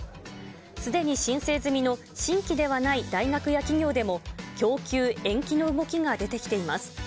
すでに申請済みの新規ではない大学や企業でも、供給延期の動きが出てきています。